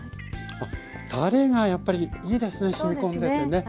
あったれがやっぱりいいですねしみこんでてね。